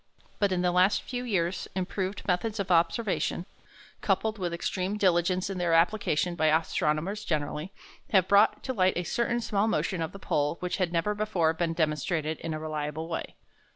But in the last few years improved methods of observation, coupled with extreme diligence in their application by astronomers generally, have brought to light a certain small motion of the pole which had never before been demonstrated in a reliable way.